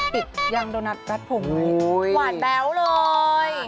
ติดยังโดนัทรัสผงหวานแป๊วเลย